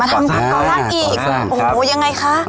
มาทำก่อสร้างอีกโหยังไงคะ